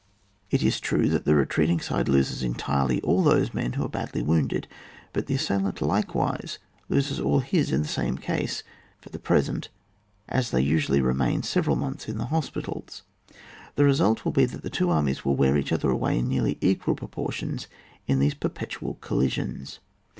It is true that the retreating side loses entirely aU those men who are badly wounded, but the assailant likewise loses all his in the same case for the present, as they usually remain several months in the hospitals. The result will be that the two armies will wear each other away in nearly equal proportions in these perpetual collisions.